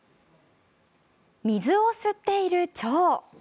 水を吸っているチョウ。